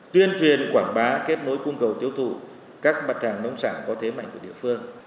tuyên truyền quảng bá kết nối cung cầu tiêu thụ các mặt hàng nông sản có thế mạnh của địa phương